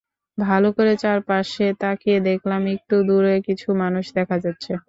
ভালো করে চারপাশে তাকিয়ে দেখলাম একটু দূরে কিছু মানুষ দেখা যাচ্ছে।